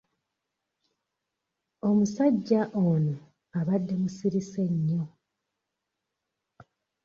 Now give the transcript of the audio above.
Omusajja ono abadde musirise nnyo.